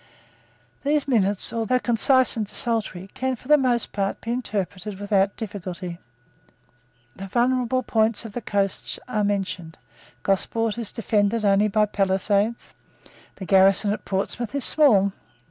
These minutes, though concise and desultory, can for the most part be interpreted without difficulty. The vulnerable points of the coast are mentioned. Gosport is defended only by palisades. The garrison of Portsmouth is small.